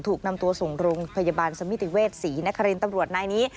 ถูกนำตัวส่งโรงพยาบาลสมิติเวชศรีนครินตำรวจนายนี้